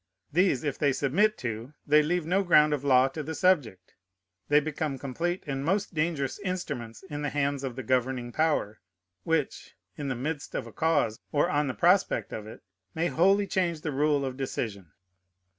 These if they submit to, they leave no ground of law to the subject. They become complete and most dangerous instruments in the hands of the governing power, which, in the midst of a cause, or on the prospect of it, may wholly change the rule of decision.